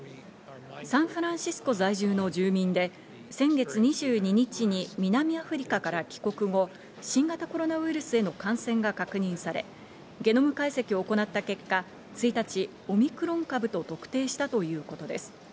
サンフランシスコ在住の住民で、先月２２日に南アフリカから帰国後、新型コロナウイルスへの感染が確認され、ゲノム解析を行った結果、１日、オミクロン株と特定したということです。